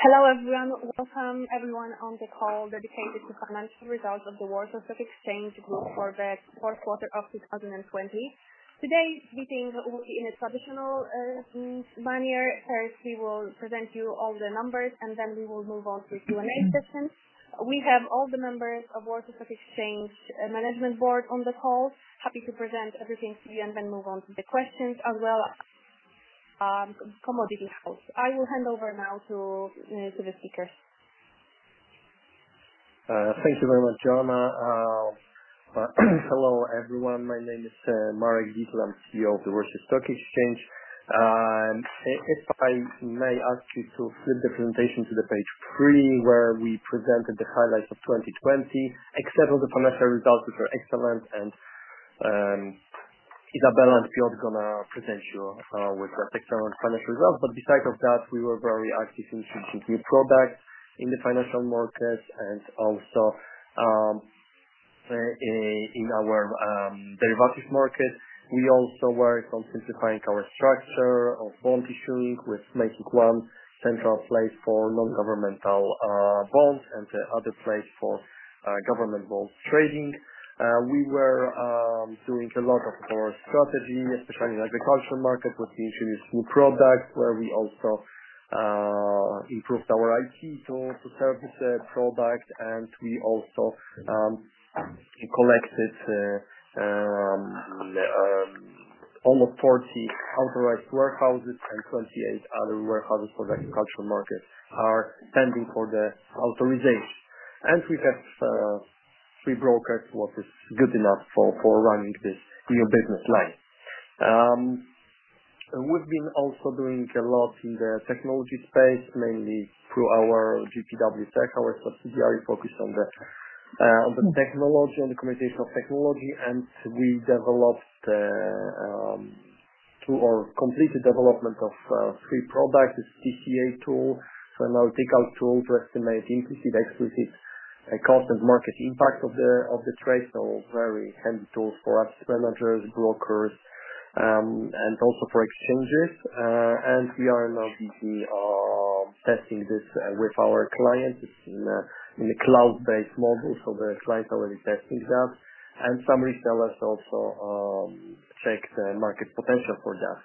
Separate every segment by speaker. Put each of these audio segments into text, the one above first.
Speaker 1: Hello, everyone. Welcome, everyone on the call dedicated to financial results of the Warsaw Stock Exchange Group for the fourth quarter of 2020. Today, meeting will be in a traditional manner. First, we will present you all the numbers, and then we will move on to Q&A session. We have all the members of Warsaw Stock Exchange Management Board on the call, happy to present everything to you and then move on to the questions, as well as commodity house. I will hand over now to the speakers.
Speaker 2: Thank you very much, Joanna. Hello, everyone. My name is Marek Dietl. I'm CEO of the Warsaw Stock Exchange. If I may ask you to flip the presentation to page three, where we presented the highlights of 2020, except for the financial results which were excellent. Izabela and Piotr going to present you with the excellent financial results. Beside of that, we were very active in introducing new products in the financial markets and also in our derivatives market. We also worked on simplifying our structure of bond issuing, with making one central place for non-governmental bonds and the other place for government bonds trading. We were doing a lot of core strategy, especially in agricultural market, with the issuing of new products, where we also improved our IT tool to service the product. We also collected almost 40 authorized warehouses, and 28 other warehouses for the agricultural market are pending for the authorization. We have three brokers, what is good enough for running this new business line. We've been also doing a lot in the technology space, mainly through our GPW Tech, our subsidiary focused on the technology, on the communication of technology. We developed through or completed development of three products, the TCA Tool, analytical tool to estimate implicit-explicit cost and market impact of the trade. Very handy tools for us as managers, brokers, and also for exchanges. We are now busy testing this with our clients in a cloud-based model. The client already testing that. Some retailers also check the market potential for that.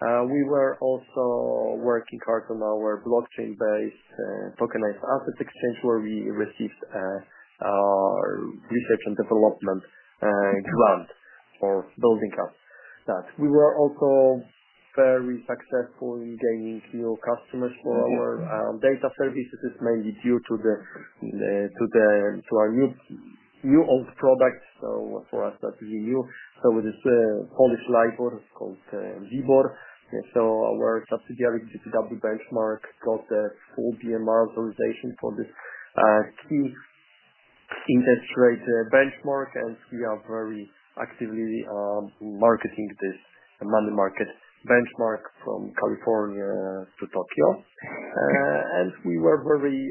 Speaker 2: We were also working hard on our blockchain-based tokenized assets exchange, where we received research and development grant for building up that. We were also very successful in gaining new customers for our data services. It's mainly due to our new old product. For us, that is new. It is a Polish LIBOR called WIBOR. Our subsidiary, GPW Benchmark, got the full BMR authorization for this key interest rate benchmark. We are very actively marketing this money market benchmark from California to Tokyo. We were very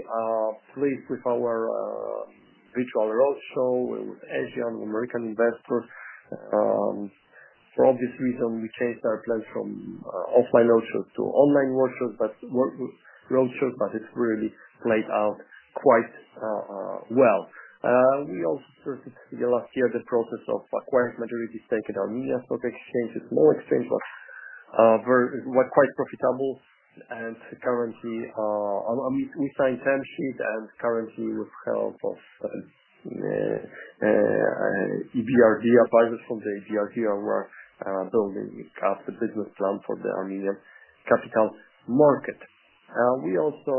Speaker 2: pleased with our virtual roadshow with Asian-American investors. For obvious reason, we changed our plans from offline roadshows to online roadshows, but it really played out quite well. We also started last year the process of acquiring majority stake in Armenia Stock Exchange. It's small exchange, but quite profitable and currently on a signed term sheet and currently with help of EBRD advisors from the EBRD. We are building up the business plan for the Armenian Capital Market. We also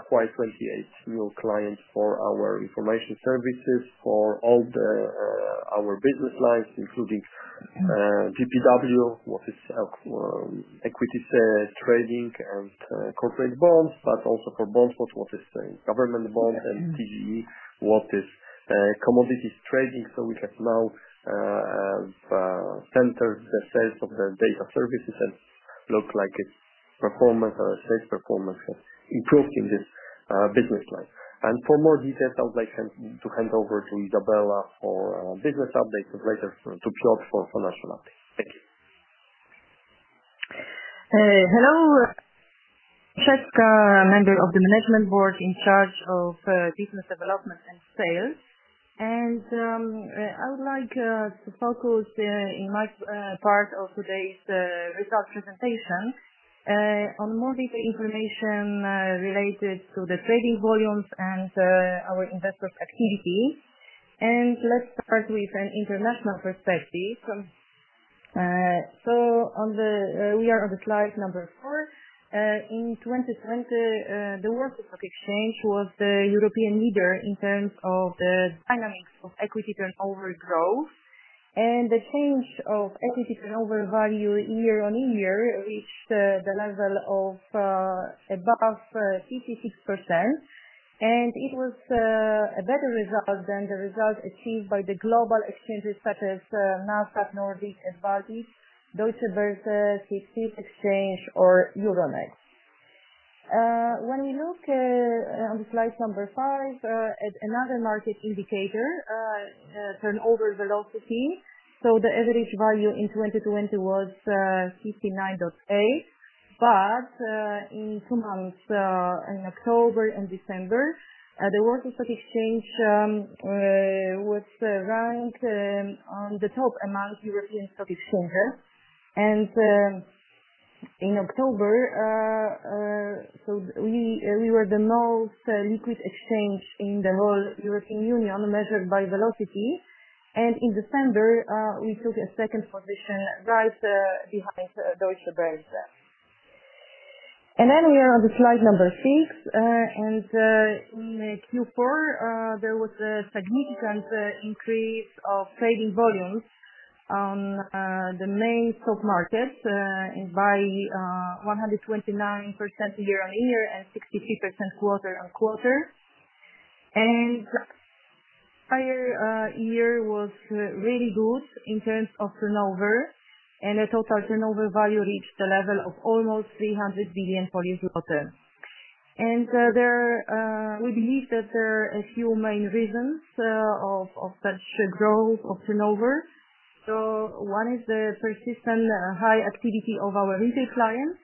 Speaker 2: acquired 28 new clients for our information services for all our business lines, including GPW, what is equity trading and corporate bonds, but also for BondSpot, what is government bond and TGE, what is commodities trading. We have now centered the sales of the data services and looks like its performance or sales performance has improved in this business line. For more details, I would like to hand over to Izabela for business update and later to Piotr for financial update. Thank you.
Speaker 3: Hello. Izabela Olszewska, Member of the Management Board in charge of Business Development and Sales. I would like to focus in my part of today's result presentation on more detailed information related to the trading volumes and our investor activity. Let's start with an international perspective. We are on the slide number four. In 2020, the Warsaw Stock Exchange was the European leader in terms of the dynamics of equity turnover growth. The change of equity turnover value year-on-year reached the level of above 56%. It was a better result than the result achieved by the global exchanges such as Nasdaq Nordic and Baltic, Deutsche Börse, SIX Swiss Exchange or Euronext. On slide number five, another market indicator, turnover velocity. The average value in 2020 was 59.8, but in two months, in October and December, the Warsaw Stock Exchange was ranked on the top among European stock exchanges. In October, we were the most liquid exchange in the whole European Union, measured by velocity. In December, we took a second position right behind Deutsche Börse. We are on slide number six. In Q4, there was a significant increase of trading volumes on the main stock markets by 129% year-on-year and 63% quarter-on-quarter. The entire year was really good in terms of turnover, and the total turnover value reached a level of almost 300 billion. We believe that there are a few main reasons of such growth of turnover. One is the persistent high activity of our retail clients,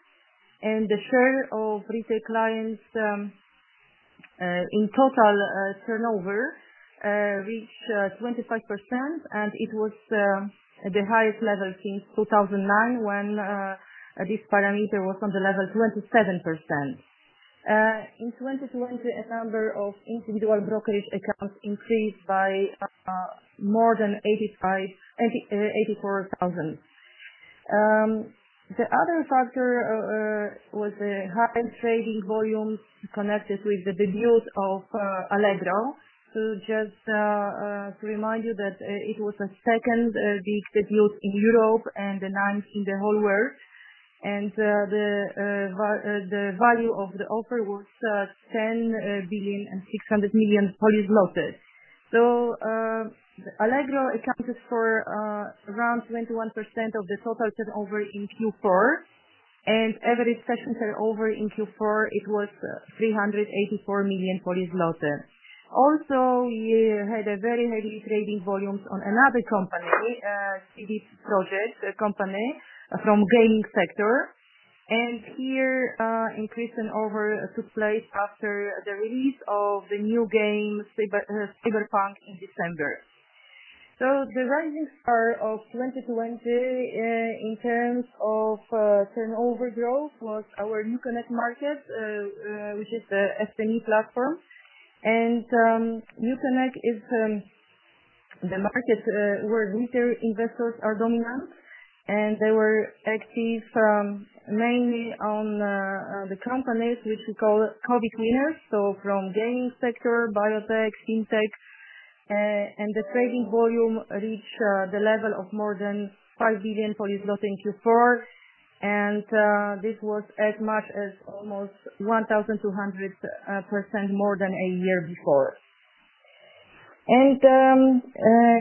Speaker 3: and the share of retail clients in total turnover reached 25%, and it was the highest level since 2009, when this parameter was on the level of 27%. In 2020, the number of individual brokerage accounts increased by more than 84,000. The other factor was the high trading volumes connected with the debut of Allegro. Just to remind you that it was the second biggest debut in Europe and the ninth in the whole world. The value of the offer was 10.6 billion. Allegro accounted for around 21% of the total turnover in Q4, and average session turnover in Q4 was 384 million. We had very high trading volumes on another company, CD Projekt company from gaming sector. And here increase in turnover took place after the release of the new game, Cyberpunk, in December. The rises are of 2020, in terms of turnover growth, was our NewConnect market, which is the SME platform. NewConnect is the market where retail investors are dominant, and they were active mainly on the companies which we call COVID winners. From gaming sector, biotech, fintech. The trading volume reached the level of more than 5 billion in Q4, and this was as much as almost 1,200% more than a year before.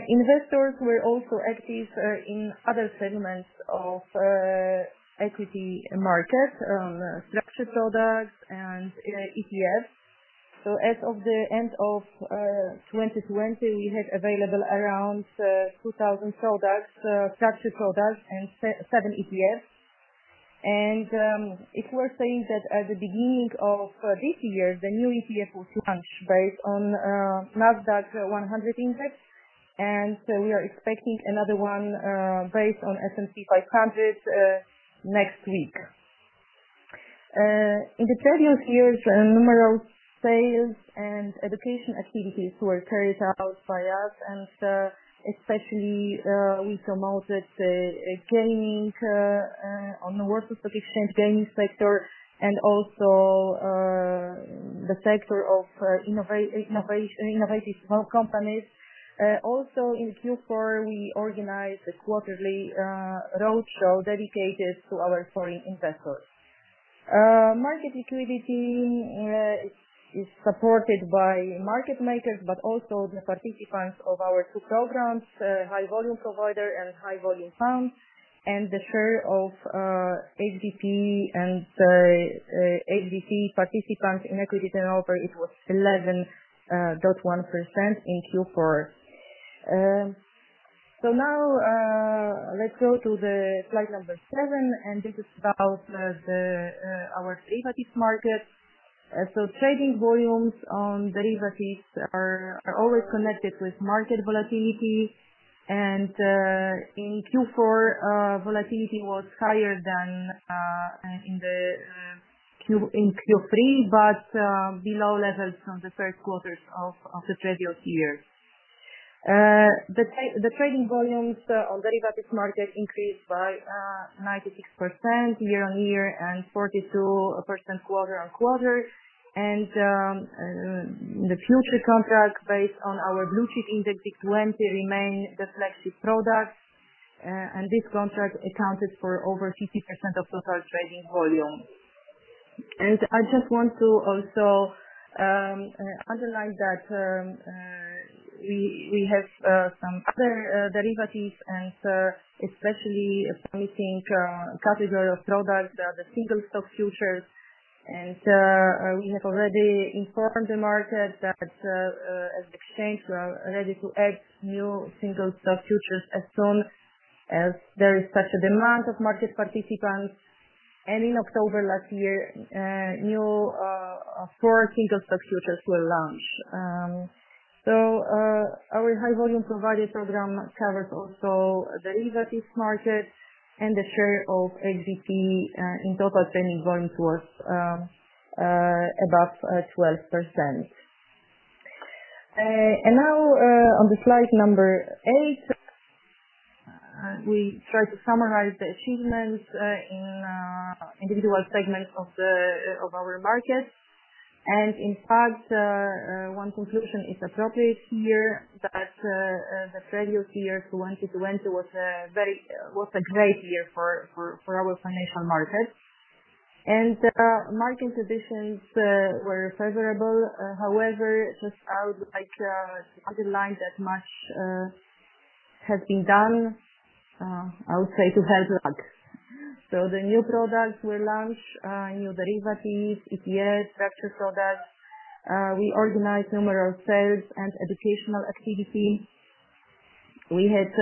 Speaker 3: Investors were also active in other segments of equity market, on structured products and ETFs. As of the end of 2020, we had available around 2,000 products, structured products, and seven ETFs. It's worth saying that at the beginning of this year, the new ETF was launched based on Nasdaq-100 index, and we are expecting another one based on S&P 500 next week. In the previous years, numerous sales and education activities were carried out by us, especially we promoted gaming on the Warsaw Stock Exchange gaming sector and also the sector of innovative small companies. In Q4, we organized a quarterly roadshow dedicated to our foreign investors. Market liquidity is supported by market makers, also the participants of our two programs, High Volume Provider and High Volume Fund. The share of HVP and HVF participants in equity turnover was 11.1% in Q4. Now let's go to slide number seven, this is about our derivatives market. Trading volumes on derivatives are always connected with market volatility, and in Q4, volatility was higher than in Q3, but below levels from the third quarter of the previous year. The trading volumes on derivatives market increased by 96% year-on-year and 42% quarter-on-quarter. The future contract based on our blue-chip index, WIG20, remained the flagship product, and this contract accounted for over 50% of total trading volume. I just want to also underline that we have some other derivatives and especially a promising category of products, the single stock futures. We have already informed the market that as an exchange, we are ready to add new single stock futures as soon as there is such a demand of market participants. In October last year, four new single stock futures were launched. Our High Volume Provider program covers also derivatives market and the share of HVP in total trading volumes was above 12%. Now, on slide number eight, we try to summarize the achievements in individual segments of our market. In fact, one conclusion is appropriate here that the previous year 2020 was a great year for our financial market. Market conditions were favorable. However, just I would like to underline that much has been done, I would say, to help that. The new products were launched, new derivatives, ETPs, structured products. We organized numerous sales and educational activities. We had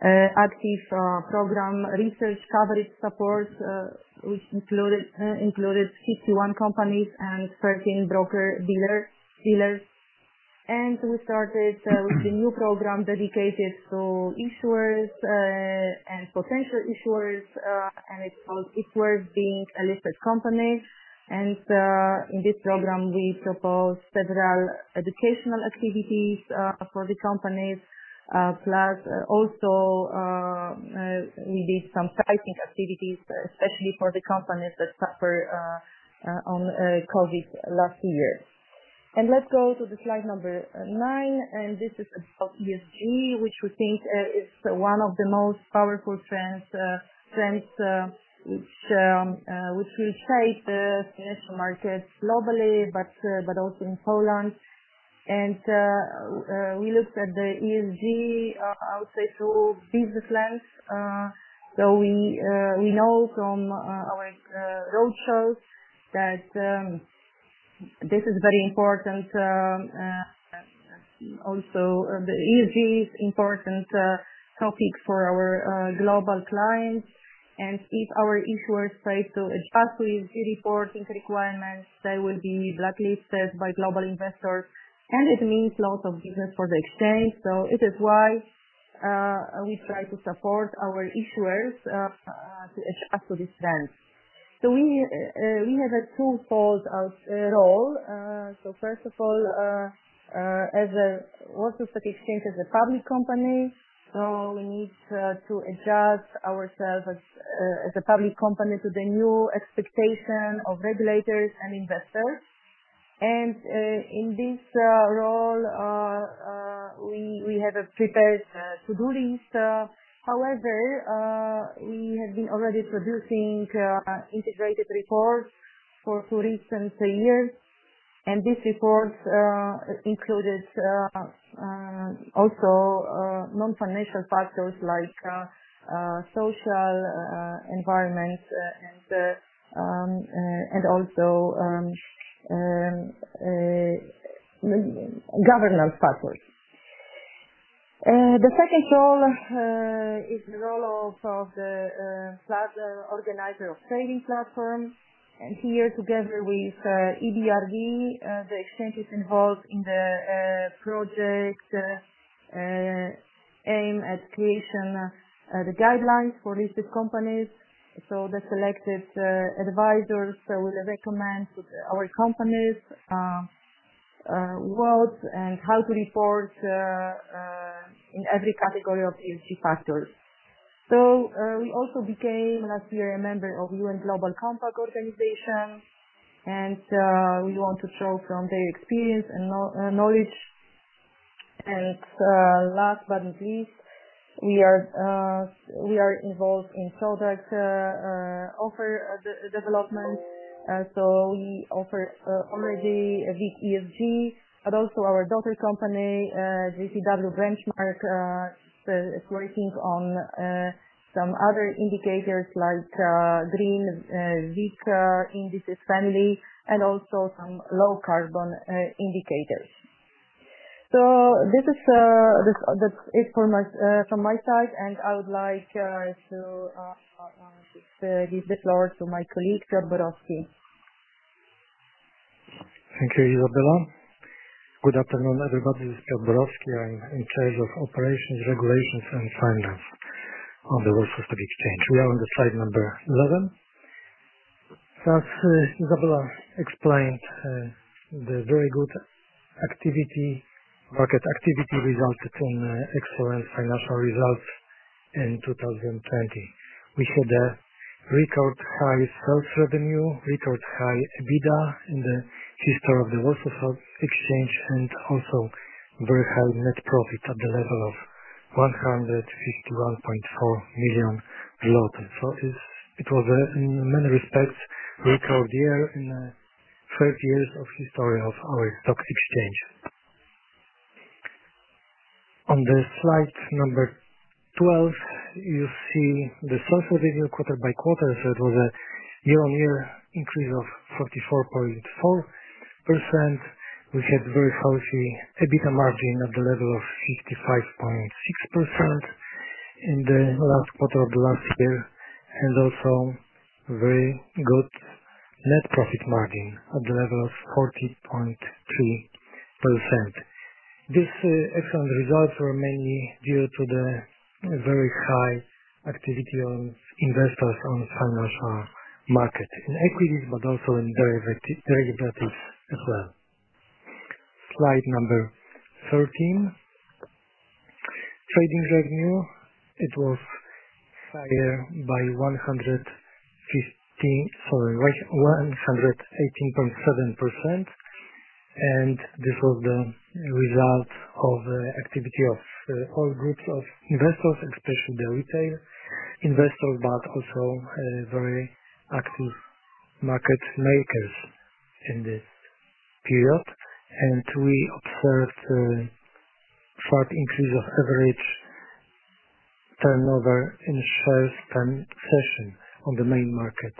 Speaker 3: an active program, research coverage support, which included 51 companies and 13 broker dealers. We started with the new program dedicated to issuers and potential issuers. It's towards being a listed company. In this program, we propose several educational activities for the companies. Plus, also, we did some pricing activities, especially for the companies that suffer on COVID last year. Let's go to slide number nine, and this is about ESG, which we think is one of the most powerful trends which will shape the financial markets globally, but also in Poland. We looked at the ESG, I would say, through business lens. We know from our roadshows that this is very important. Also, the ESG is important topic for our global clients. If our issuers fail to comply with the reporting requirements, they will be blacklisted by global investors, and it means lots of business for the exchange. It is why we try to support our issuers to adapt to this trend. We have a twofold role. First of all, as a Warsaw Stock Exchange as a public company. We need to adjust ourselves as a public company to the new expectation of regulators and investors. In this role, we have prepared a to-do list. However, we have been already producing integrated reports for two recent years, and these reports included also non-financial factors like social environment and also governance factors. The second role is the role of the organizer of trading platform. Here, together with EBRD, the exchange is involved in the project aim at creation of the guidelines for listed companies. The selected advisors would recommend to our companies what and how to report in every category of ESG factors. We also became last year a member of UN Global Compact organization, and we want to show from their experience and knowledge. Last but not least, we are involved in product offer development. We offer already a WIG-ESG, but also our daughter company, GPW Benchmark, is working on some other indicators like green, WIG indices family, and also some low carbon indicators. That's it from my side, and I would like to give the floor to my colleague, Piotr Borowski.
Speaker 4: Thank you, Izabela. Good afternoon, everybody. This is Piotr Borowski. I'm in charge of operations, regulations, and finance on the Warsaw Stock Exchange. We are on slide number 11. As Izabela explained, the very good activity resulted in excellent financial results in 2020. We had a record high sales revenue, record high EBITDA in the history of the Warsaw Stock Exchange, and also very high net profit at the level of 151.4 million. It was, in many respects, record year in 30 years of history of our stock exchange. On the slide number 12, you see the source of revenue quarter-by-quarter. It was a year-on-year increase of 34.4%. We had very healthy EBITDA margin of the level of 65.6% in the last quarter of last year, and also very good net profit margin at the level of 40.3%. These excellent results were mainly due to the very high activity on investors on financial market, in equities, but also in derivatives as well. Slide number 13. Trading revenue. It was higher by 118.7%. This was the result of activity of all groups of investors, especially the retail investors, but also very active market makers in this period. We observed sharp increase of average turnover in shares per session on the main market,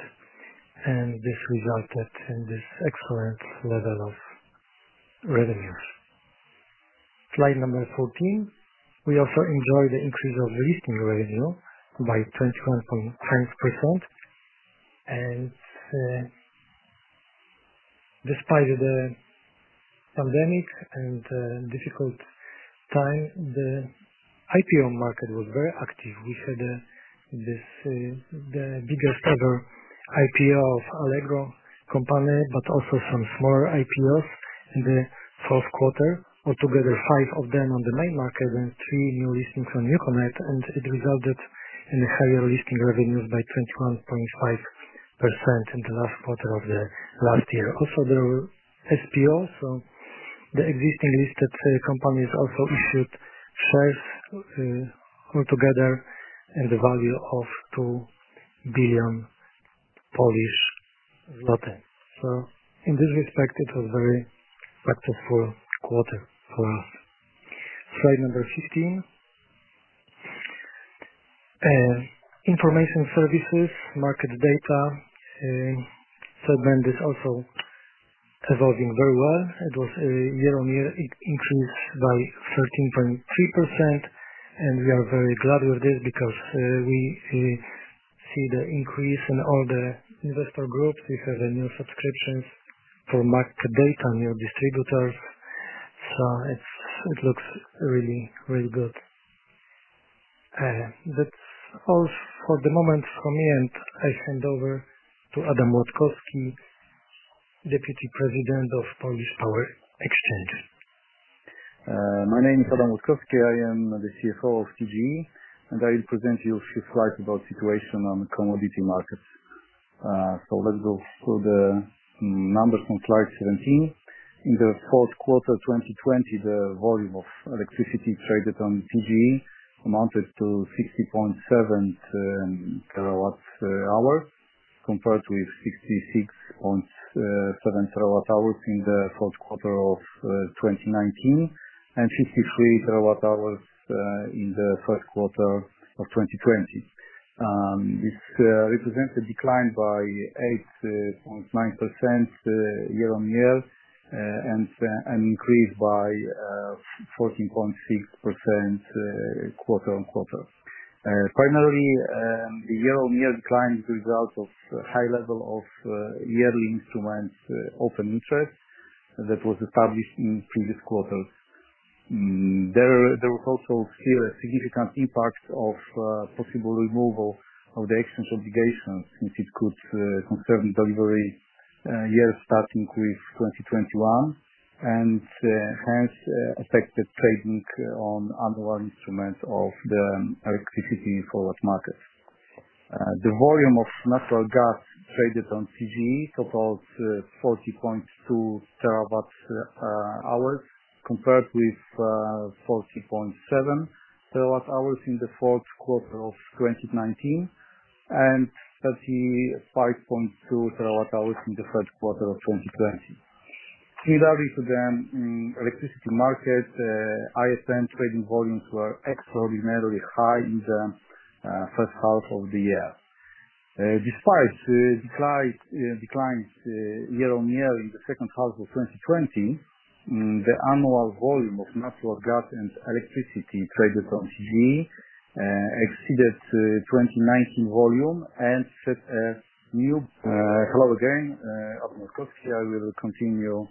Speaker 4: and this resulted in this excellent level of revenues. Slide number 14. We also enjoyed the increase of listing revenue by 21.5%. Despite the pandemic and difficult time, the IPO market was very active. We had the biggest ever IPO of Allegro company, but also some smaller IPOs in the fourth quarter. Altogether, five of them on the main market and three new listings on NewConnect, it resulted in higher listing revenues by 21.5% in the last quarter of last year. Also, there were SPOs, the existing listed companies also issued shares altogether in the value of 2 billion Polish zloty. In this respect, it was very successful quarter for us. Slide number 15. Information services, market data segment is also evolving very well. It was a year-on-year increase by 13.3%, we are very glad with this because we see the increase in all the investor groups. We have new subscriptions for market data, new distributors. It looks really good. That's all for the moment from me, I hand over to Adam Młodkowski, Deputy President of Polish Power Exchange.
Speaker 5: My name is Adam Młodkowski. I am the CFO of TGE. I will present you a few slides about situation on commodity markets. Let's go through the numbers on slide 17. In the fourth quarter 2020, the volume of electricity traded on TGE amounted to 60.7 TWh, compared with 66.7 TWh in the fourth quarter of 2019 and 53 TWh in the first quarter of 2020. This represents a decline by 8.9% year-on-year, and increase by 14.6% quarter-on-quarter. Finally, the year-on-year decline is a result of high level of yearly instruments open interest that was established in previous quarters. There was also still a significant impact of possible removal of the exchange obligations, since it could concern delivery years starting with 2021, hence affected trading on underlying instruments of the electricity forward markets. The volume of natural gas traded on TGE totaled 40.2 TWh, compared with 40.7 TWh in the fourth quarter of 2019 and 35.2 TWh in the first quarter of 2020. Similarly to the electricity market, ISIN trading volumes were extraordinarily high in the first half of the year. Despite declines year-on-year in the second half of 2020, the annual volume of natural gas and electricity traded on TGE exceeded 2019 volume. Hello again. Adam Młodkowski here. We will continue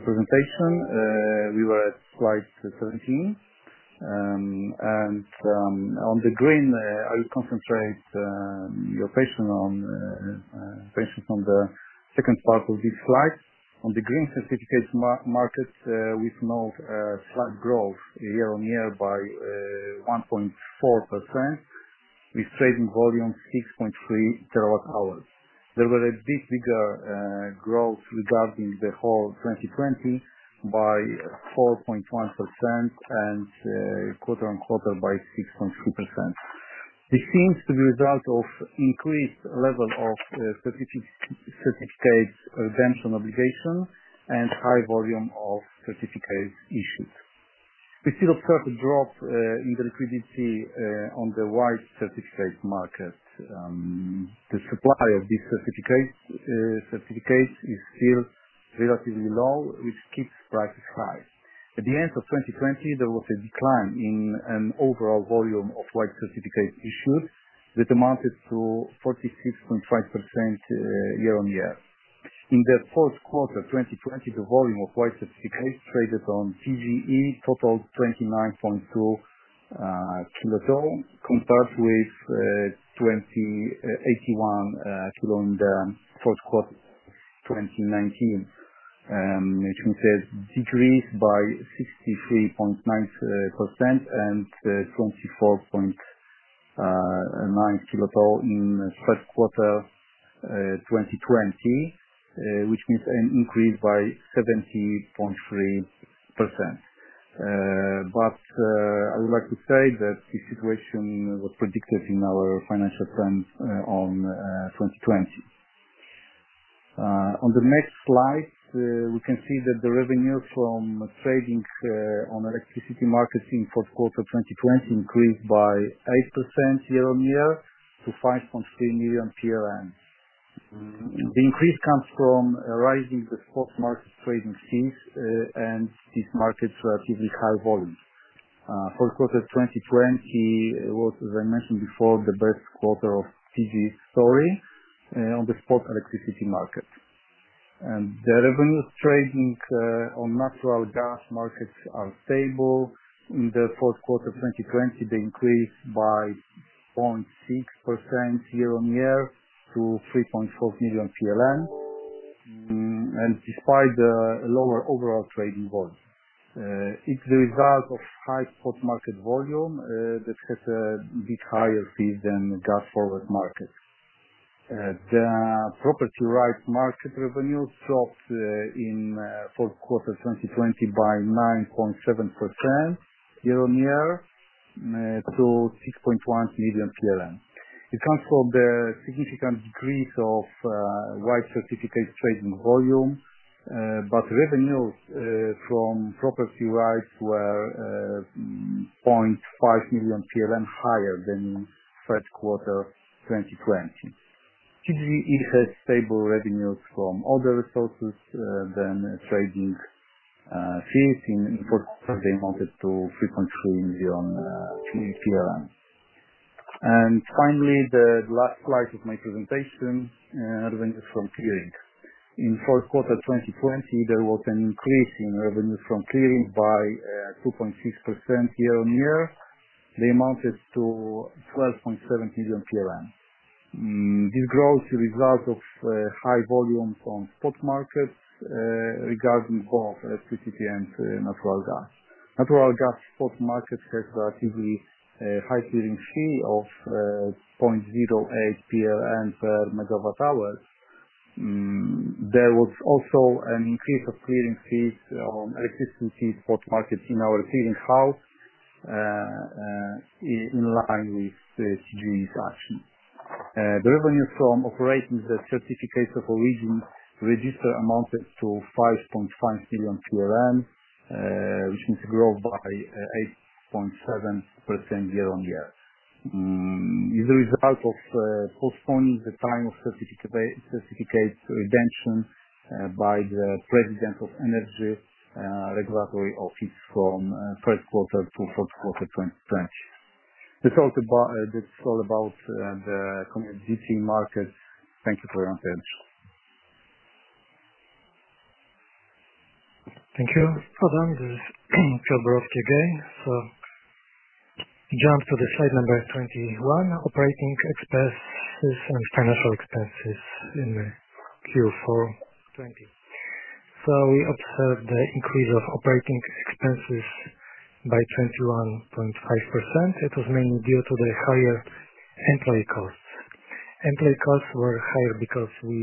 Speaker 5: presentation. We were at slide 17. On the green, I will concentrate your attention on the second part of this slide. On the green certificates markets, we note slight growth year-on-year by 1.4%. With trading volume 6.3 TWh. There was a bit bigger growth regarding the whole 2020 by 4.1% and quarter-on-quarter by 6.2%. This seems to be a result of increased level of certificate redemption obligation and high volume of certificates issued. We still observe a drop in the liquidity on the white certificate market. The supply of these certificates is still relatively low, which keeps prices high. At the end of 2020, there was a decline in an overall volume of white certificates issued that amounted to 46.5% year-on-year. In the fourth quarter 2020, the volume of white certificates traded on TGE totaled 29.2 kt, compared with 20.81 kt in the first quarter 2019, which means a decrease by 63.9% and 24.9 kt in first quarter 2020, which means an increase by 70.3%. I would like to say that this situation was predicted in our financial plans in 2020. On the next slide, we can see that the revenue from trading on electricity markets in fourth quarter 2020 increased by 8% year-on-year to 5.3 million. The increase comes from a rise in the spot market trading fees, and these markets give high volume. Fourth quarter 2020 was, as I mentioned before, the best quarter of TGE's story on the spot electricity market. The revenue trading on natural gas markets are stable. In the fourth quarter 2020, they increased by 0.6% year-on-year to 3.4 million PLN, despite the lower overall trading volume. It's the result of high spot market volume that has a bit higher fee than gas forward market. The property rights market revenue dropped in fourth quarter 2020 by 9.7% year-on-year to 6.1 million PLN. It comes from the significant decrease of white certificate trading volume, revenues from property rights were 0.5 million higher than in third quarter 2020. TGE has stable revenues from other resources than trading fees. In fourth quarter, they amounted to PLN 3.3 million. Finally, the last slide of my presentation, revenues from clearing. In fourth quarter 2020, there was an increase in revenues from clearing by 2.6% year-on-year. They amounted to 12.7 million. This growth is a result of high volume from spot markets regarding both electricity and natural gas. Natural gas spot markets has relatively high clearing fee of 0.08 PLN per MWh. There was also an increase of clearing fees on electricity spot markets in our clearing house, in line with TGE's action. The revenues from operating the certificates of origin register amounted to 5.5 million, which means a growth by 8.7% year-on-year. It is a result of postponing the time of certificate redemption by the President of the Energy Regulatory Office from first quarter to fourth quarter 2020. That's all about the commodity market. Thank you for your attention.
Speaker 4: Thank you. Adam, this is Piotr Borowski again. Jump to the slide number 21, operating expenses and financial expenses in Q4 2020. We observed the increase of operating expenses by 21.5%. It was mainly due to the higher employee costs. Employee costs were higher because we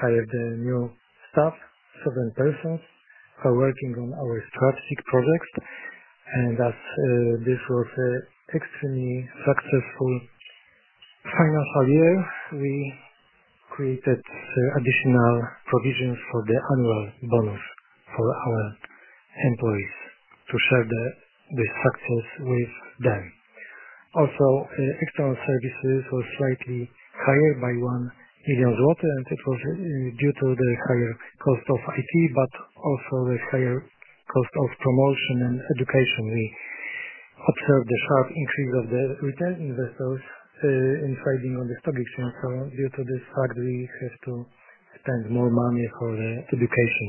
Speaker 4: hired new staff. Seven persons are working on our strategic projects, and that this was extremely successful final half year. We created additional provisions for the annual bonus for our employees to share the success with them. Also, external services were slightly higher by 1 million zloty. It was due to the higher cost of IT, but also the higher cost of promotion and education. We observed a sharp increase of the retail investors in trading on the stock exchange. Due to this fact, we have to spend more money for the education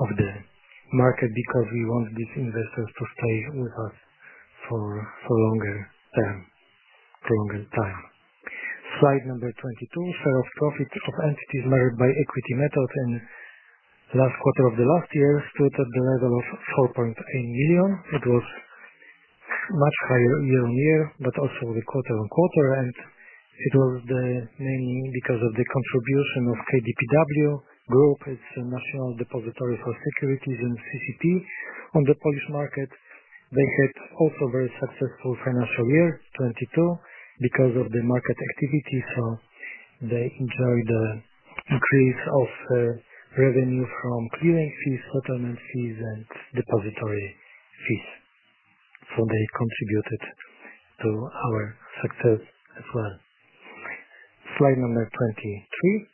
Speaker 4: of the market because we want these investors to stay with us for a longer term, for a longer time. Slide number 22, share of profit of entities measured by equity method in last quarter of the last year stood at the level of 4.8 million. It was much higher year-on-year, also the quarter-on-quarter, and it was mainly because of the contribution of KDPW Group. It's a national depository for securities and CCP on the Polish market. They had also very successful financial year 2020 because of the market activity, they enjoyed the increase of revenue from clearing fees, settlement fees, and depository fees. They contributed to our success as well. Slide number 23.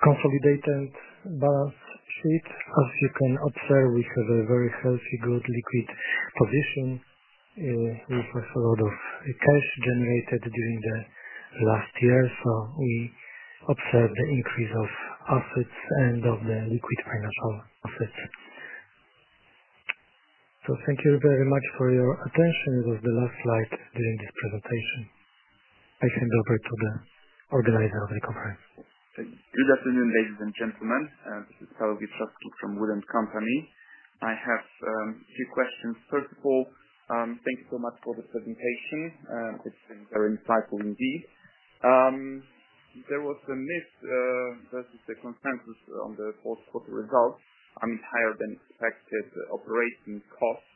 Speaker 4: Consolidated balance sheet. You can observe, we have a very healthy, good liquid position. We have a lot of cash generated during the last year, we observed the increase of assets and of the liquid financial assets. Thank you very much for your attention. It was the last slide during this presentation. I hand over to the organizer of the conference.
Speaker 6: Good afternoon, ladies and gentlemen. This is Paweł Wieprzowski from WOOD & Company. I have a few questions. First of all, thank you so much for the presentation. It has been very insightful indeed. There was a miss versus the consensus on the post-quarter results on higher than expected operating costs,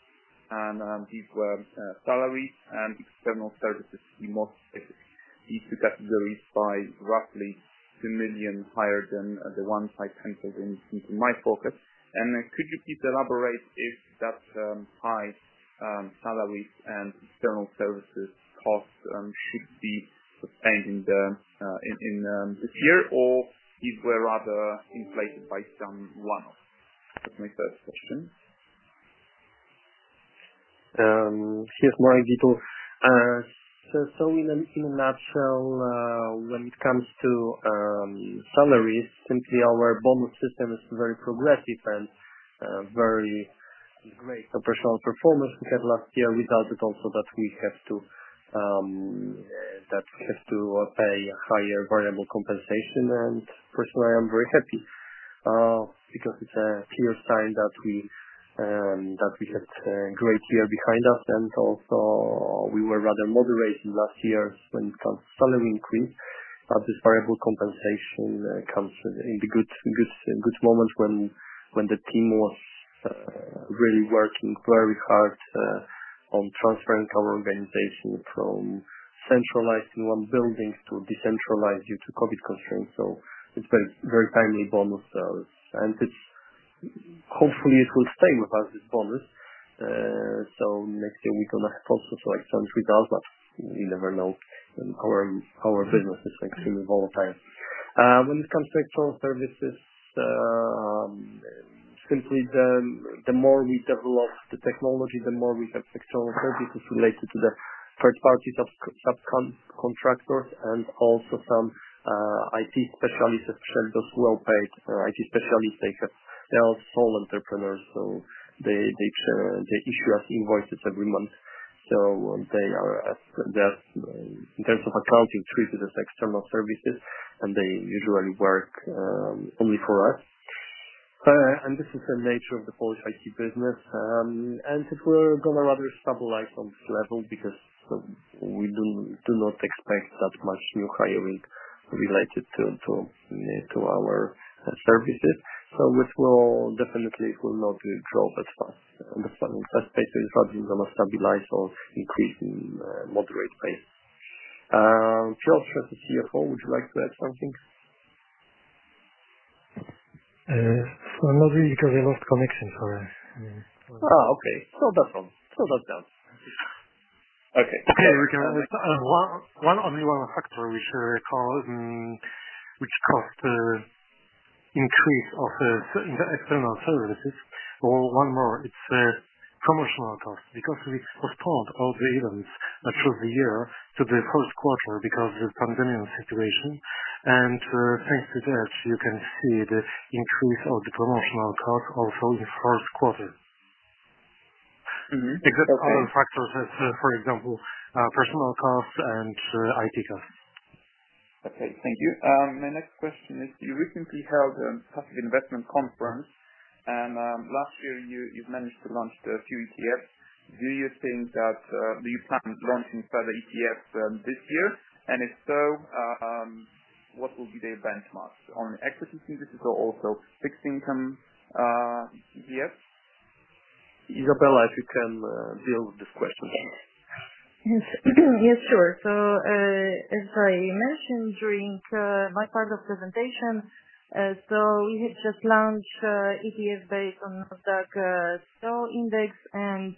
Speaker 6: and these were salary and external services, to be more specific. These two categories by roughly 2 million higher than the one I entered into my forecast. Could you please elaborate if that high salary and external services cost should be sustained in this year? Or if were rather inflated by some one-off? That is my first question.
Speaker 2: Here's Marek Dietl. In a nutshell, when it comes to salaries, simply our bonus system is very progressive and very great. Personnel performance we had last year resulted also that we have to pay higher variable compensation. Personally, I'm very happy, because it's a clear sign that we had a great year behind us. Also we were rather moderate in last year when it comes to salary increase. This variable compensation comes in the good moment when the team was really working very hard on transferring our organization from centralizing one building to decentralize due to COVID constraints. It's very timely bonus, and hopefully it will stay with us, this bonus. Next year we gonna have also some results, but you never know. Our business is extremely volatile. When it comes to external services, simply the more we develop the technology, the more we have external services related to the third party subcontractors and also some IT specialists, which are not well-paid. IT specialists, they are sole entrepreneurs, they issue us invoices every month. They are, in terms of accounting treatment, as external services, and they usually work only for us. This is the nature of the Polish IT business. It will go rather stabilize on this level because we do not expect that much new hiring related to our services. It definitely will not withdraw that fast on the spending. First base is rather going to stabilize or increase in moderate pace. Piotr, as the CFO, would you like to add something?
Speaker 4: Not really, because I lost connection. Sorry.
Speaker 6: Oh, okay. That's done. Okay.
Speaker 4: One only one factor which caused increase of the external services. One more, it's a promotional cost. We postponed all the events through the year to the first quarter because of the pandemic situation. Thanks to that, you can see the increase of the promotional cost also in first quarter.
Speaker 6: Okay.
Speaker 4: Exact other factors as, for example, personal cost and IT cost.
Speaker 6: Okay, thank you. My next question is, you recently held a Public Investment Conference, and last year you've managed to launch a few ETFs. Do you plan on launching further ETFs this year? If so, what will be the benchmarks? On equity indices or also fixed income ETFs?
Speaker 2: Izabela, if you can deal with this question.
Speaker 3: Yes, sure. As I mentioned during my part of presentation, we had just launched ETF based on WIG Index, and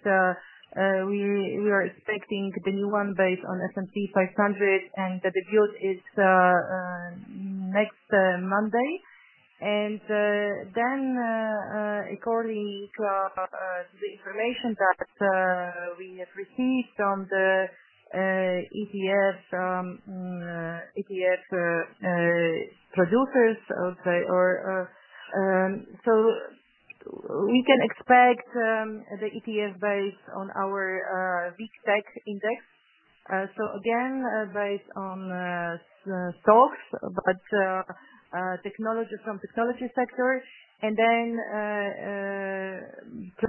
Speaker 3: we are expecting the new one based on S&P 500, and the debut is next Monday. According to the information that we have received from the ETF producers, we can expect the ETF based on our WIGtech index. Again, based on stocks, but from technology sector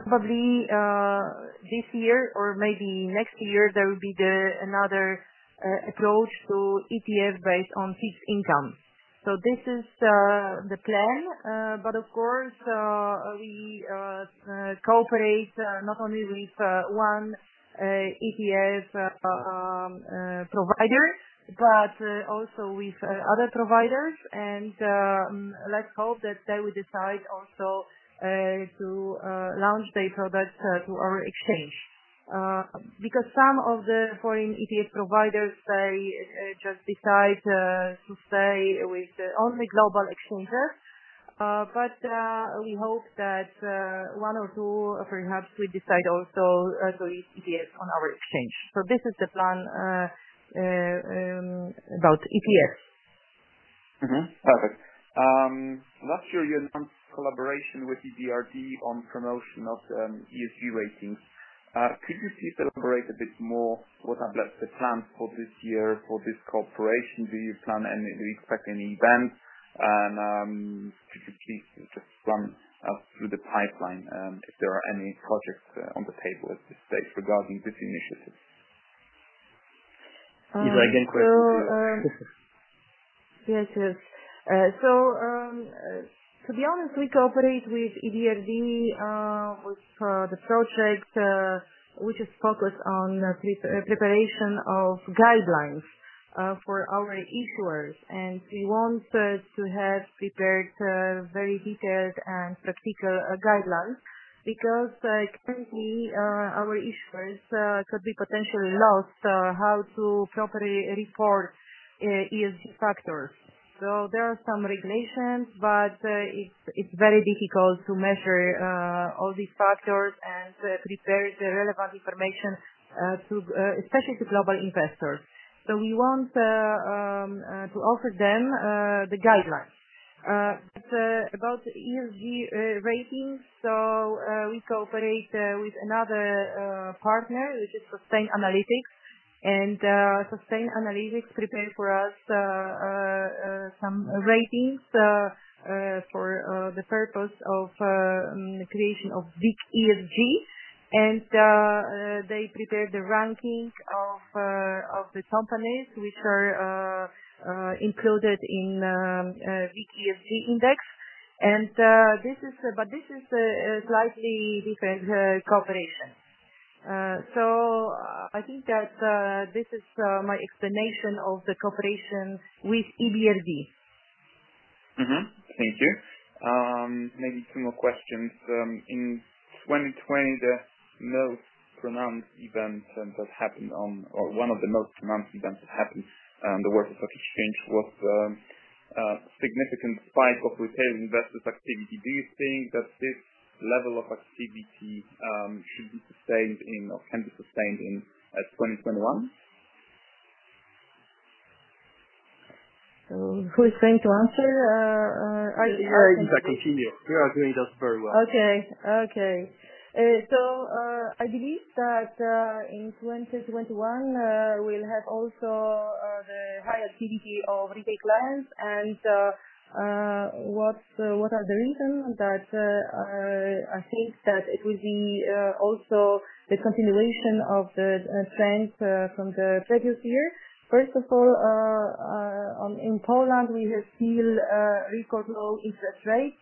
Speaker 3: probably this year or maybe next year, there will be another approach to ETF based on fixed income. This is the plan. Of course, we cooperate not only with one ETF provider, but also with other providers, and let's hope that they will decide also to launch their product to our exchange. Because some of the foreign ETF providers, they just decide to stay with only global exchangers. We hope that one or two perhaps will decide also to list ETFs on our exchange. This is the plan about ETFs.
Speaker 6: Perfect. Last year, you announced a collaboration with EBRD on promotion of ESG ratings. Could you please elaborate a bit more what are the plans for this year for this cooperation? Do you plan, and do you expect any events, and could you please just run us through the pipeline, if there are any projects on the table at this stage regarding this initiative?
Speaker 2: Izabela, again, question to you.
Speaker 3: Yes. To be honest, we cooperate with EBRD, with the project, which is focused on preparation of guidelines for our issuers. We want to have prepared very detailed and practical guidelines because currently our issuers could be potentially lost how to properly report ESG factors. There are some regulations, it's very difficult to measure all these factors and prepare the relevant information, especially to global investors. We want to offer them the guidelines. About ESG ratings, we cooperate with another partner, which is Sustainalytics. Sustainalytics prepare for us some ratings for the purpose of creation of WIG-ESG. They prepared the ranking of the companies which are included in WIG-ESG index. This is a slightly different cooperation. I think that this is my explanation of the cooperation with EBRD.
Speaker 6: Thank you. Maybe two more questions. In 2020, the most pronounced event that happened on, or one of the most pronounced events that happened on the Warsaw Stock Exchange was a significant spike of retail investors activity. Do you think that this level of activity should be sustained or can be sustained in 2021?
Speaker 3: Who is going to answer?
Speaker 2: Izabela, continue. You are doing just very well.
Speaker 3: I believe that in 2021, we'll have also the high activity of retail clients and what are the reasons that I think that it will be also the continuation of the trend from the previous year. First of all, in Poland, we have still record low interest rates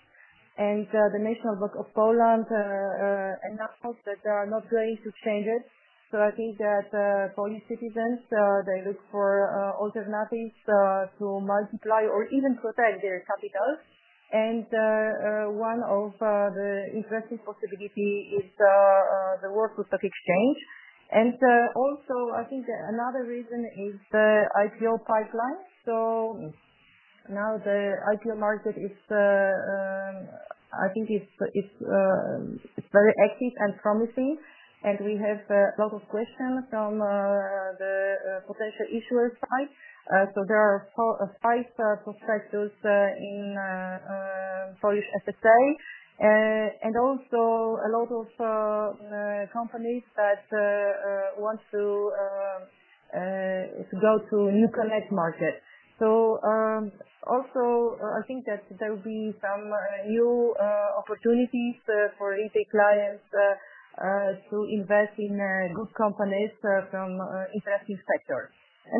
Speaker 3: and the National Bank of Poland announced that they are not going to change it. I think that Polish citizens, they look for alternatives to multiply or even protect their capitals. One of the interesting possibility is the Warsaw Stock Exchange. Also, I think another reason is the IPO pipeline. Now the IPO market, I think it's very active and promising, and we have a lot of questions from the potential issuer side. There are five prospectuses in Polish FSA. Also a lot of companies that want to go to NewConnect market. Also, I think that there will be some new opportunities for retail clients to invest in good companies from interesting sectors.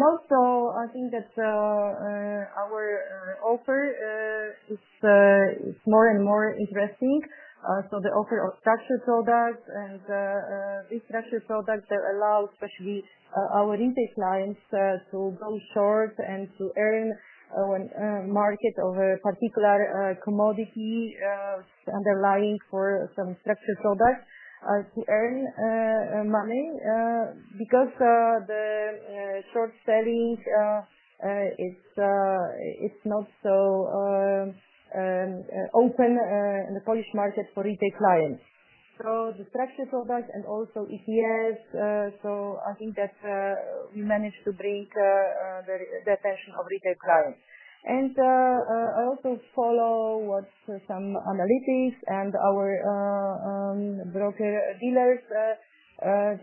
Speaker 3: Also, I think that our offer is more and more interesting. The offer of structured products and these structured products that allow, especially our retail clients, to go short and to earn on a market of a particular commodity underlying for some structured products to earn money, because the short selling it's not so open in the Polish market for retail clients. The structured products and also ETFs. I think that we managed to bring the attention of retail clients. I also follow what some analytics and our broker dealers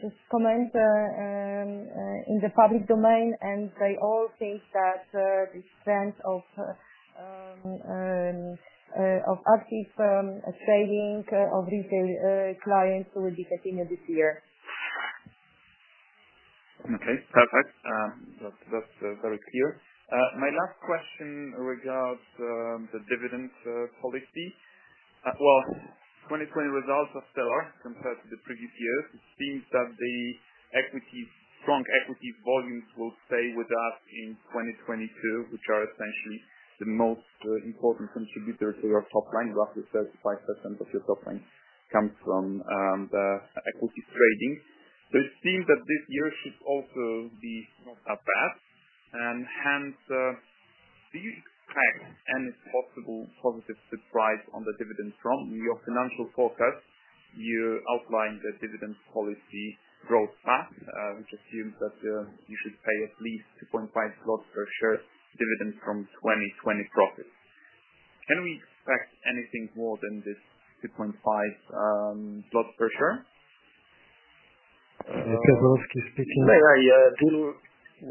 Speaker 3: just comment in the public domain, and they all think that this trend of active trading of retail clients will be continued this year.
Speaker 6: Okay, perfect. That's very clear. My last question regards the dividend policy. Well, 2020 results are stellar compared to the previous years. It seems that the strong equity volumes will stay with that in 2022, which are essentially the most important contributor to your top line. Roughly 35% of your top line comes from the equity trading. It seems that this year should also be not that bad. Hence, do you expect any possible positive surprise on the dividend from your financial forecast? You outlined the dividend policy growth path, which assumes that you should pay at least 2.5 zlotys/share dividend from 2020 profits. Can we expect anything more than this 2.5 zloty/share?
Speaker 4: Piotr Borowski speaking. May I deal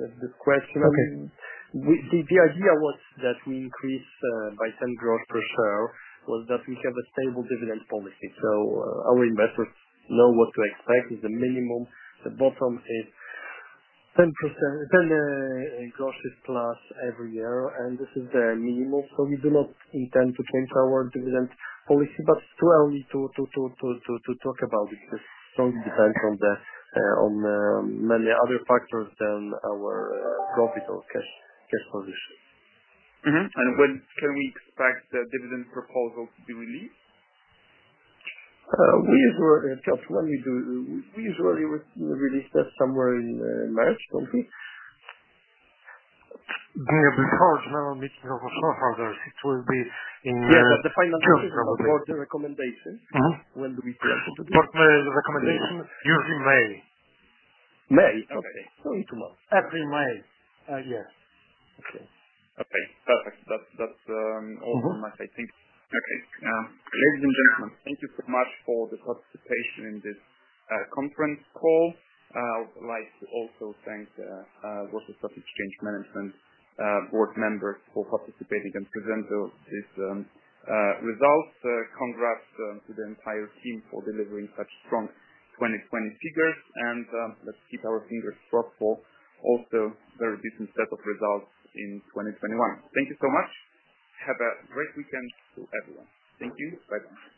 Speaker 4: with the question?
Speaker 2: Okay.
Speaker 4: The idea was that we increase by 0.10/share, was that we have a stable dividend policy. Our investors know what to expect, is the minimum. The bottom is 0.10+ every year, and this is the minimum. We do not intend to change our dividend policy. It's too early to talk about it because it strongly depends on many other factors than our profit or cash position.
Speaker 6: When can we expect the dividend proposal to be released?
Speaker 2: We usually Piotr, when we do? We usually would release that somewhere in March, don't we?
Speaker 4: Yeah, before general meeting of shareholders. It will be.
Speaker 2: Yes, the final decision about the recommendation. When do we plan to do this?
Speaker 4: For the recommendation, usually May.
Speaker 2: May? Okay. Soon to come.
Speaker 4: Every May. Yes.
Speaker 2: Okay. Perfect. That's all from us, I think. Okay. Ladies and gentlemen, thank you so much for the participation in this conference call. I would like to also thank Warsaw Stock Exchange Management Board Members for participating and presenting these results. Congrats to the entire team for delivering such strong 2020 figures and let's keep our fingers crossed for also very different set of results in 2021. Thank you so much. Have a great weekend to everyone. Thank you. Bye-bye.